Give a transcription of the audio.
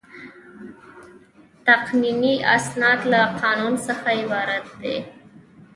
تقنیني اسناد له قانون څخه عبارت دي.